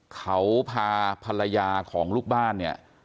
เขาพาภรรยาของลูกบ้านเนี่ย